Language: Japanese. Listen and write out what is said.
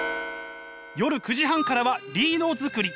夜９時半からはリード作り。